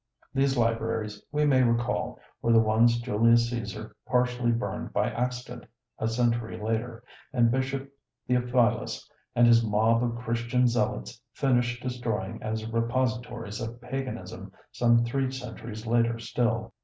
These libraries, we may recall, were the ones Julius Cæsar partially burned by accident a century later, and Bishop Theophilus and his mob of Christian zealots finished destroying as repositories of paganism some three centuries later still.